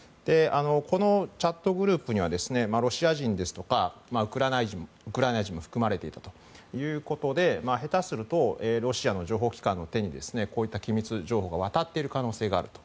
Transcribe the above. このチャットグループにはロシア人ですとかウクライナ人も含まれているということで下手するとロシアの情報機関の手にこういった機密情報が渡っている可能性があると。